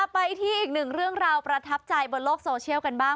ไปที่อีกหนึ่งเรื่องราวประทับใจบนโลกโซเชียลกันบ้าง